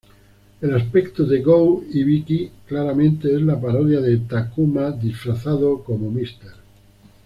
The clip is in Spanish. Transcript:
El aspecto de Gou Hibiki claramente es la parodia de Takuma disfrazado como Mr.